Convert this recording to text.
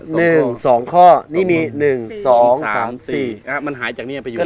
หนึ่งสองข้อนี่มีหนึ่งสองสามสี่อ่ามันหายจากนี้ไปอยู่